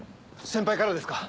先輩からですか？